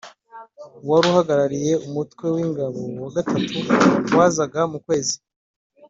Uwari uhagarariye umutwe w ingabo wa gatatu wazaga mu kwezi